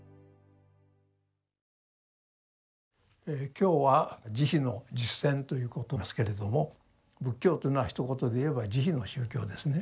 今日は「慈悲の実践」ということですけれども仏教というのはひと言で言えば慈悲の宗教ですね。